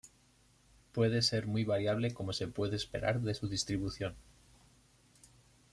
Puede ser muy variable como se puede esperar de su distribución.